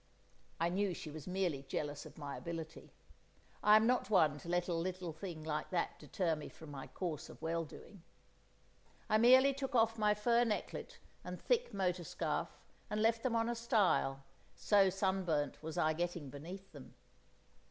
I knew she was merely jealous of my ability. I'm not one to let a little thing like that deter me from my course of well doing. I merely took off my fur necklet and thick motor scarf, and left them on a stile, so sunburnt was I getting beneath them.